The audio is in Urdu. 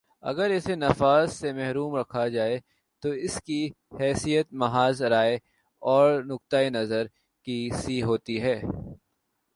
اگر اسے نفاذ سے محروم رکھا جائے تو اس کی حیثیت محض رائے اور نقطۂ نظر کی سی ہوتی ہے